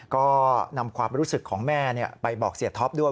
ก็นำความรู้สึกของแม่ไปบอกเสียท็อปด้วย